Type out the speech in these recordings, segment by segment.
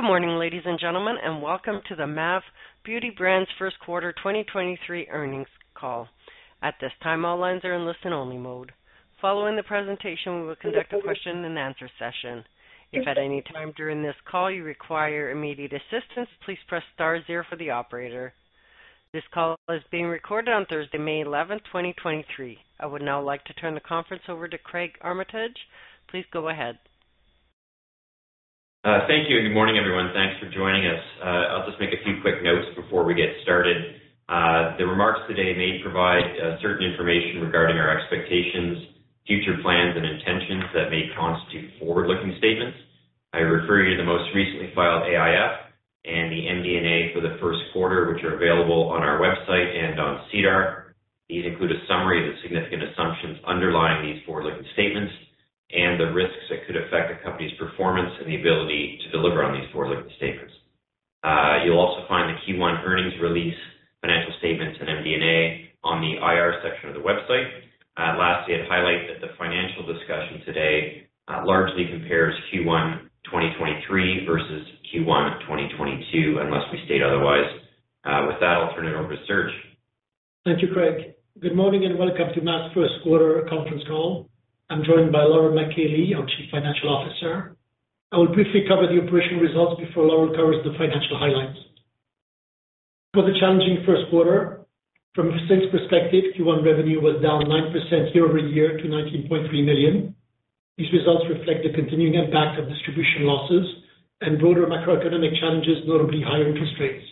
Good morning, ladies and gentlemen, and welcome to the MAV Beauty Brands first quarter 2023 earnings call. At this time, all lines are in listen-only mode. Following the presentation, we will conduct a question-and-answer session. If at any time during this call you require immediate assistance, please press zero for the operator. This call is being recorded on Thursday, May 11th, 2023. I would now like to turn the conference over to Craig Armitage. Please go ahead. Thank you, good morning, everyone. Thanks for joining us. I'll just make a few quick notes before we get started. The remarks today may provide certain information regarding our expectations, future plans and intentions that may constitute forward-looking statements. I refer you to the most recently filed AIF and the MD&A for the first quarter, which are available on our website and on SEDAR. These include a summary of the significant assumptions underlying these forward-looking statements and the risks that could affect the company's performance and the ability to deliver on these forward-looking statements. You'll also find the Q1 earnings release, financial statements, and MD&A on the IR section of the website. Lastly, I'd highlight that the financial discussion today largely compares Q1 2023 versus Q1 2022, unless we state otherwise. With that, I'll turn it over to Serge. Thank you, Craig. Good morning and welcome to MAV's first quarter conference call. I'm joined by Laurel MacKay-Lee, our Chief Financial Officer. I will briefly cover the operational results before Laurel covers the financial highlights. It was a challenging first quarter. From a sales perspective, Q1 revenue was down 9% year-over-year to 19.3 million. These results reflect the continuing impact of distribution losses and broader macroeconomic challenges, notably higher interest rates.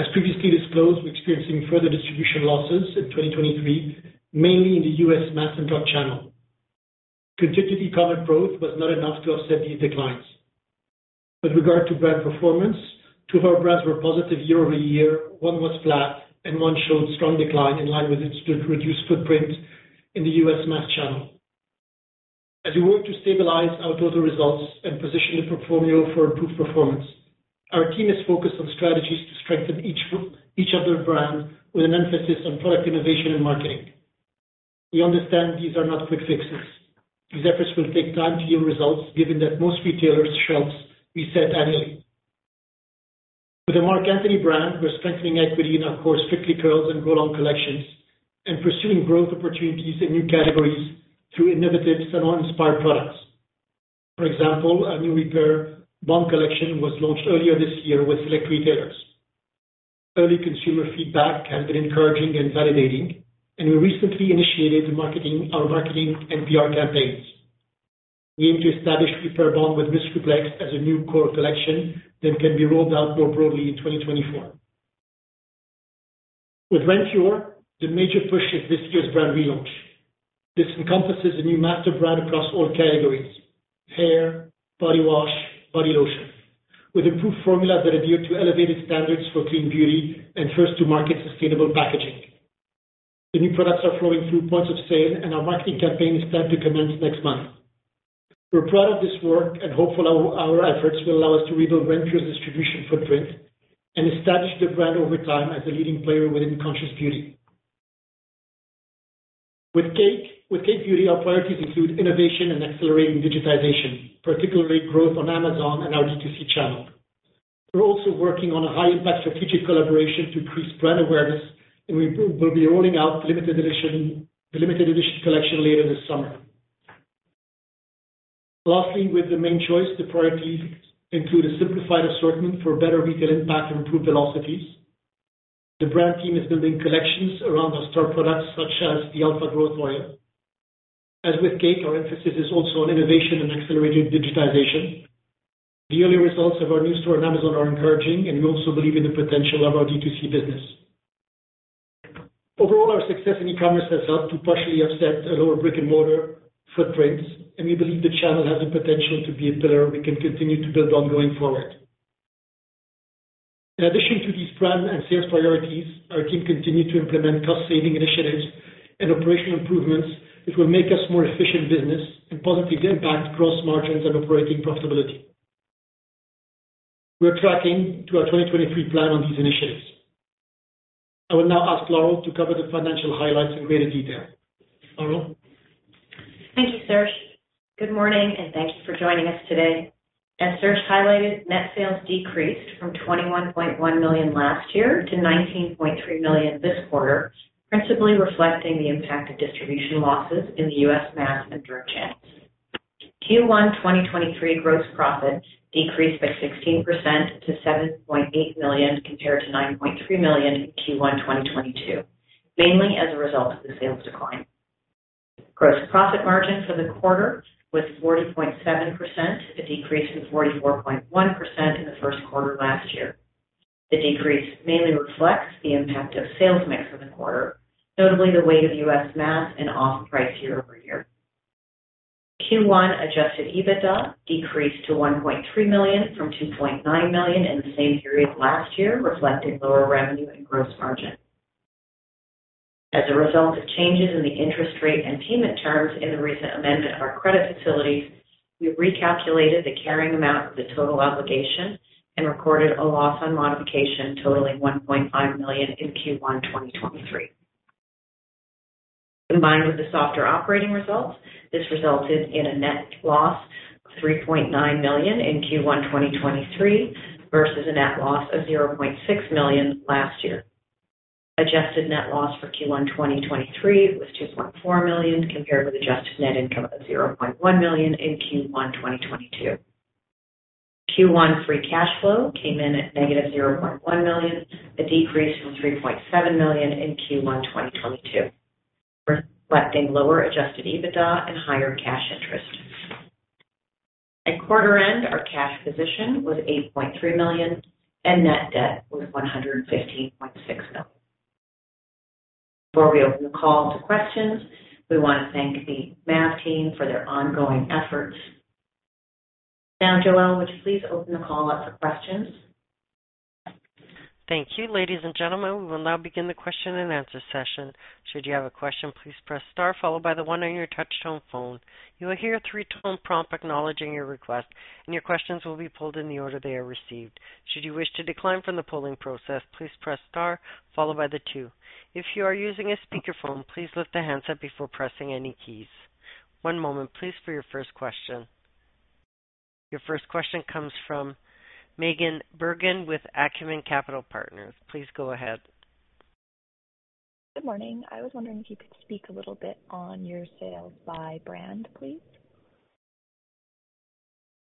As previously disclosed, we're experiencing further distribution losses in 2023, mainly in the U.S. mass and drug channel. Continually e-commerce growth was not enough to offset these declines. With regard to brand performance, two of our brands were positive year-over-year, one was flat, and one showed strong decline in line with its reduced footprint in the U.S. mass channel. As we work to stabilize our total results and position the portfolio for improved performance, our team is focused on strategies to strengthen each other brand with an emphasis on product innovation and marketing. We understand these are not quick fixes. These efforts will take time to yield results, given that most retailers' shelves reset annually. For the Marc Anthony brand, we're strengthening equity in our core Strictly Curls and Grow Long collections and pursuing growth opportunities in new categories through innovative salon-inspired products. For example, our new Repair Bond collection was launched earlier this year with select retailers. Early consumer feedback has been encouraging and validating, and we recently initiated our marketing and PR campaigns. We aim to establish Repair Balm with Rescuplex as a new core collection that can be rolled out more broadly in 2024. With Renpure, the major push is this year's brand relaunch. This encompasses a new master brand across all categories: hair, body wash, body lotion, with improved formula that adhere to elevated standards for clean beauty and first to market sustainable packaging. The new products are flowing through points of sale, and our marketing campaign is set to commence next month. We're proud of this work and hopeful our efforts will allow us to rebuild Renpure's distribution footprint and establish the brand over time as a leading player within conscious beauty. With Cake Beauty, our priorities include innovation and accelerating digitization, particularly growth on Amazon and our D2C channel. We're also working on a high-impact strategic collaboration to increase brand awareness, and we will be rolling out the limited edition collection later this summer. Lastly, with The Mane Choice, the priorities include a simplified assortment for better retail impact and improved velocities. The brand team is building collections around our store products, such as the Alpha Growth Oil. As with Cake, our emphasis is also on innovation and accelerating digitization. The early results of our new store on Amazon are encouraging. We also believe in the potential of our D2C business. Overall, our success in e-commerce has helped to partially offset our lower brick-and-mortar footprints. We believe the channel has the potential to be a pillar we can continue to build on going forward. In addition to these brand and sales priorities, our team continued to implement cost-saving initiatives and operational improvements which will make us more efficient business and positively impact gross margins and operating profitability. We're tracking to our 2023 plan on these initiatives. I will now ask Laurel to cover the financial highlights in greater detail. Laurel. Thank you, Serge. Good morning, thank you for joining us today. As Serge highlighted, net sales decreased from 21.1 million last year to 19.3 million this quarter, principally reflecting the impact of distribution losses in the U.S. mass and drug channels. Q1 2023 gross profit decreased by 16% to 7.8 million compared to 9.3 million in Q1 2022, mainly as a result of the sales decline. Gross profit margin for the quarter was 40.7%, a decrease from 44.1% in the Q1 last year. The decrease mainly reflects the impact of sales mix for the quarter, notably the weight of U.S. mass and off-price year-over-year. Q1 Adjusted EBITDA decreased to $1.3 million from $2.9 million in the same period last year, reflecting lower revenue and gross margin. As a result of changes in the interest rate and payment terms in the recent amendment of our credit facilities, we've recalculated the carrying amount of the total obligation and recorded a loss on modification totaling $1.5 million in Q1 2023. Combined with the softer operating results, this resulted in a net loss of $3.9 million in Q1 2023 versus a net loss of $0.6 million last year. Adjusted net loss for Q1 2023 was $2.4 million, compared with adjusted net income of $0.1 million in Q1 2022. Q1 free cash flow came in at negative 0.1 million, a decrease from 3.7 million in Q1 2022, reflecting lower Adjusted EBITDA and higher cash interest. At quarter end, our cash position was 8.3 million, and net debt was 115.6 million. Before we open the call to questions, we want to thank the MAV team for their ongoing efforts. Joelle, would you please open the call up for questions? Thank you. Ladies and gentlemen, we will now begin the question-and-answer session. Should you have a question, please press star followed by the one on your touchtone phone. You will hear a three-tone prompt acknowledging your request, and your questions will be pulled in the order they are received. Should you wish to decline from the polling process, please press star followed by the two. If you are using a speakerphone, please lift the handset before pressing any keys. One moment please for your first question. Your first question comes from Megan Bergen with Acumen Capital Partners. Please go ahead. Good morning. I was wondering if you could speak a little bit on your sales by brand, please.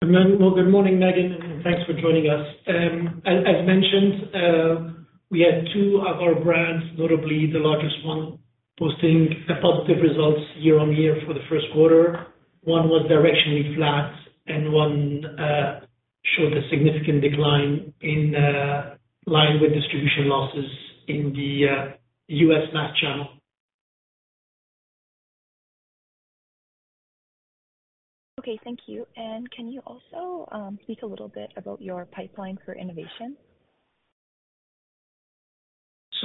Good morning, Megan. Thanks for joining us. As mentioned, we had two of our brands, notably the largest one, posting a positive results year-over-year for the first quarter. One was directionally flat and one showed a significant decline in line with distribution losses in the U.S. mass channel. Okay, thank you. Can you also speak a little bit about your pipeline for innovation?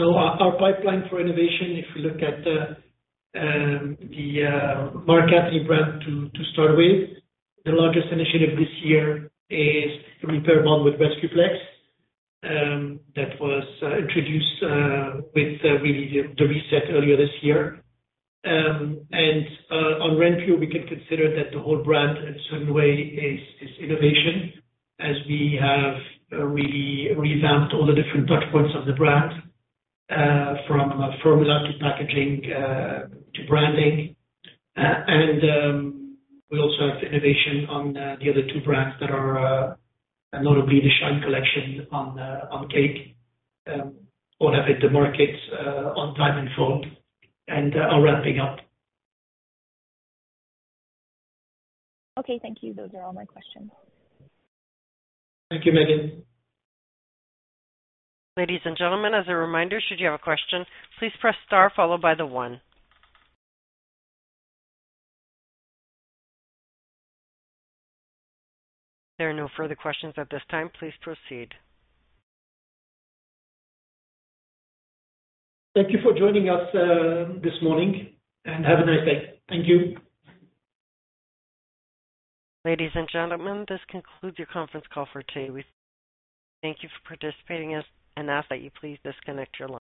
Our pipeline for innovation, if we look at the Marc Anthony brand to start with, the largest initiative this year is the Repair Bond with Rescuplex, that was introduced with really the reset earlier this year. On Renpure, we can consider that the whole brand in certain way is innovation as we have really revamped all the different touch points of the brand, from a formula to packaging, to branding. We also have innovation on the other two brands that are notably the Shine Collection on Cake, or have hit the markets on time in full and are ramping up. Okay, thank you. Those are all my questions. Thank you, Megan. Ladies and gentlemen, as a reminder, should you have a question, please press star followed by the one. There are no further questions at this time. Please proceed. Thank you for joining us, this morning, and have a nice day. Thank you. Ladies and gentlemen, this concludes your conference call for today. We thank you for participating and ask that you please disconnect your line.